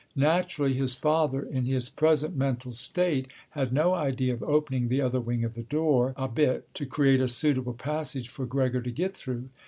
Naturally his father, in his present mental state, had no idea of opening the other wing of the door a bit to create a suitable passage for Gregor to get through.